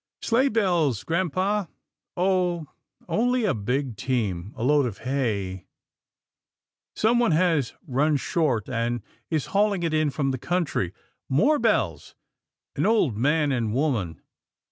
" Sleigh bells, grampa — oh ! only a big team — a load of hay. Someone has run short, and is hauling it in from the country. More bells — an old man and woman.